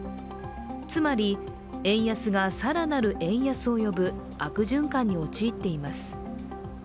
つまり、円安が更なる円安を呼ぶ悪循環に陥っています。